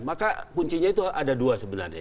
maka kuncinya itu ada dua sebenarnya